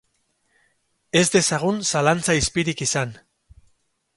Ez dezagun zalantza izpirik izan.